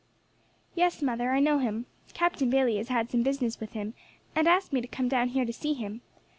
"Yes, mother, I know him. Captain Bayley has had some business with him, and asked me to come down here to see him.